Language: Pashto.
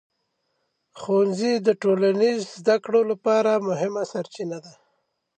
ښوونځي د ټولنیز زده کړو لپاره مهمه سرچینه ده.